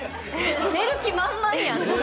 寝る気満々やん。